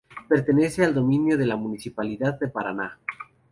Pertenece al dominio de la municipalidad de Paraná.